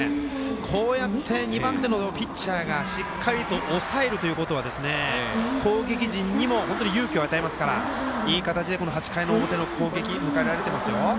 こうやって２番手のピッチャーがしっかりと抑えるということは攻撃陣にも本当に勇気を与えますからいい形で８回表の攻撃を迎えられていますよ。